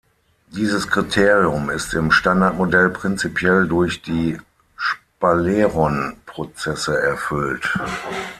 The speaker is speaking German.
Dieses Kriterium ist im Standardmodell prinzipiell durch die Sphaleron-Prozesse erfüllt.